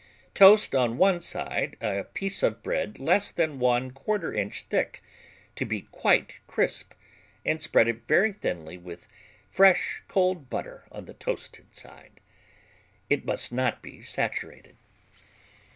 Toast on one side a piece of bread less than 1/4 inch thick, to be quite crisp, and spread it very thinly with fresh, cold butter on the toasted side. (It must not be saturated.)